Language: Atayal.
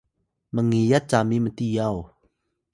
mngiyat cami mtiyaw